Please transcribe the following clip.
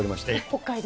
北海道。